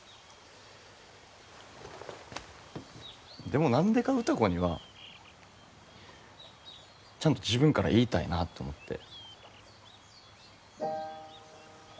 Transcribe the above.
でも何でか歌子にはちゃんと自分から言いたいなって思って。